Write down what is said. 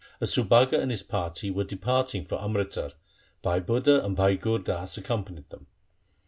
As Subhaga and his party were departing for Amritsar, Bhai Budha and Bhai Gur Das accompanied them.